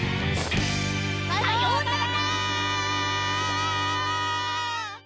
さようなら！